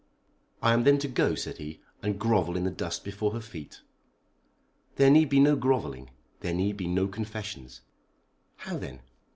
"I am then to go," said he, "and grovel in the dust before her feet." "There need be no grovelling. There need be no confessions." "How then?"